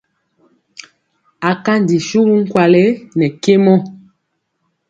Akanji suwu nkwale nɛ kemɔ.